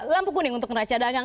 lampu kuning untuk neraca dagang